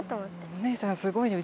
お姉さんすごいね。